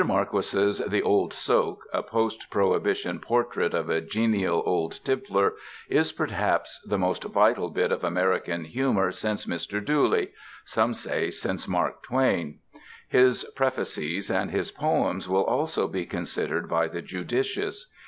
Marquis's The Old Soak, a post prohibition portrait of a genial old tippler, is perhaps the most vital bit of American humor since Mr. Dooley some say since Mark Twain. His Prefaces and his poems will also be considered by the judicious.